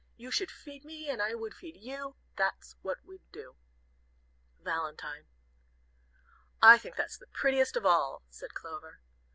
You should feed me and I would feed you, That's what we'd do! "VALENTINE." "I think that's the prettiest of all," said Clover.